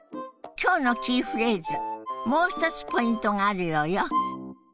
今日のキーフレーズもう一つポイントがあるようよ。